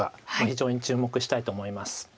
非常に注目したいと思います。